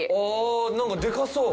あ何かでかそう。